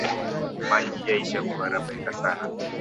Ma njiya isha ku arabika sana